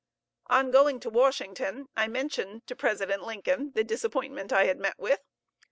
On going to Washington, I mentioned to President Lincoln, the disappointment I had met with.